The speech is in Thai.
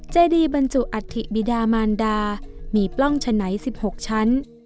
เจดีบรรจุอัฐิบิดามานดามีปล้องฉะไหน๑๖ชั้น